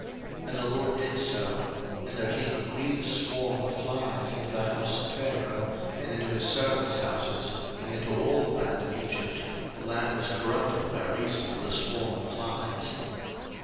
02:008:024 And the LORD did so; and there came a grievous swarm of flies into the house of Pharaoh, and into his servants' houses, and into all the land of Egypt: the land was corrupted by reason of the swarm of flies.